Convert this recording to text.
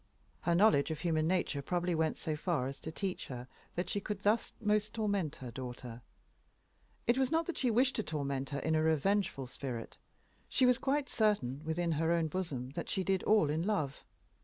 Her knowledge of human nature probably went so far as to teach her that she could thus most torment her daughter. It was not that she wished to torment her in a revengeful spirit. She was quite sure within her own bosom that she did all in love.